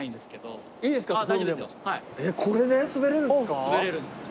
これで滑れるんですか？